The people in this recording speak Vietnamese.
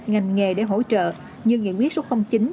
ngành nghề để hỗ trợ như nghị quyết chín